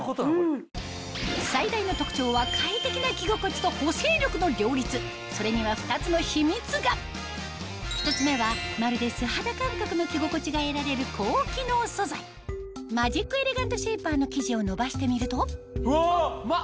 最大の特長はそれには２つの秘密が１つ目はまるで素肌感覚の着心地が得られるマジックエレガントシェイパーの生地を伸ばしてみるとうわっ！